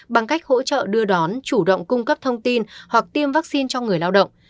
bằng cách hỗ trợ đưa đón chủ động cung cấp thông tin hoặc tiêm vaccine cho người lao động